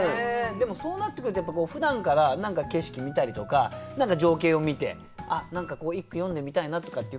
でもそうなってくるとふだんから何か景色見たりとか情景を見て「あっ何か一句詠んでみたいな」とかっていう感じにはなったりすんの？